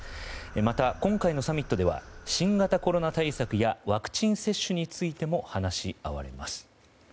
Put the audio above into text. また、今回のサミットでは新型コロナ対策やワクチン接種についても話し合われます。